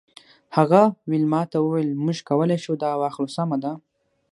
هغه ویلما ته وویل موږ کولی شو دا واخلو سمه ده